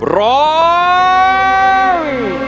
ร้ม